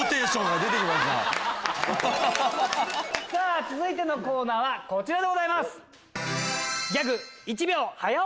さぁ続いてのコーナーはこちらでございます！